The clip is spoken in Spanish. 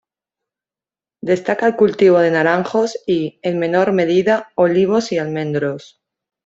Destaca el cultivo de naranjos y, en menor medida, olivos y almendros.